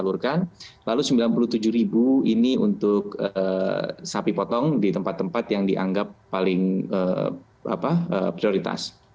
lalu sembilan puluh tujuh ribu ini untuk sapi potong di tempat tempat yang dianggap paling prioritas